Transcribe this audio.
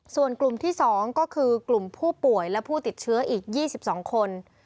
ส่วนกลุ่มที่๒ก็คือกลุ่มผู้ป่วยและผู้ติดเชื้ออีก๒๒คน